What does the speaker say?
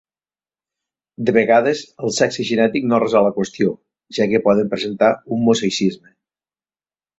De vegades, el sexe genètic no resol la qüestió, ja que poden presentar un mosaïcisme.